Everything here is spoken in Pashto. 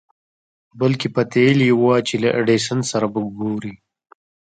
بلکې پتېيلې يې وه چې له ايډېسن سره به ګوري.